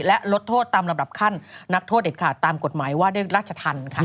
และลดโทษตามระบบขั้นนักโทษเด็ดขาดตามกฎหมายว่าได้รัชทัน